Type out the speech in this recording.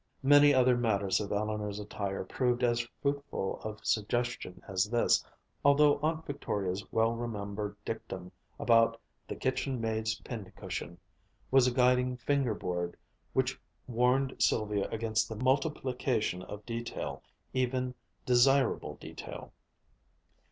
Many other matters of Eleanor's attire proved as fruitful of suggestion as this, although Aunt Victoria's well remembered dictum about the "kitchen maid's pin cushion" was a guiding finger board which warned Sylvia against the multiplication of detail, even desirable detail.